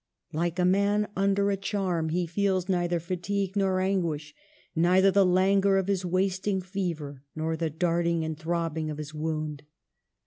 Like a man under a charm, he feels neither fatigue nor anguish, neither the languor of his wasting fever nor the darting and throbbing of his wound.